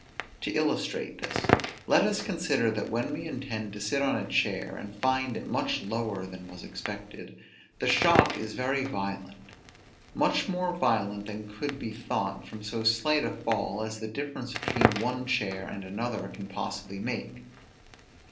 To illustrate this: let us consider that when we intend to sit on a chair, and find it much lower than was expected, the shock is very violent; much more violent than could be thought from so slight a fall as the difference between one chair and another can possibly make.